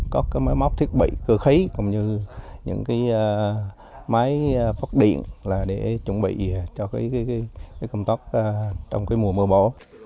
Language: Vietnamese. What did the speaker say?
có máy móc thiết bị cơ khí máy phát điện để chuẩn bị cho công tác trong mùa mưa bão